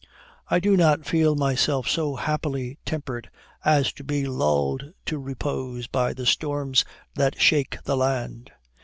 I do not feel myself so happily tempered, as to be lulled to repose by the storms that shake the land.